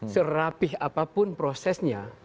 serapih apapun prosesnya